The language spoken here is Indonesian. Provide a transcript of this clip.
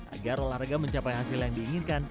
agar olahraga mencapai hasil yang diinginkan